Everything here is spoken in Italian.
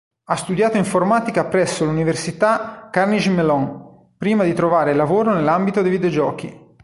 Ha studiato informatica presso l'Università Carnegie Mellon, prima di trovare lavoro nell'ambito dei videogiochi.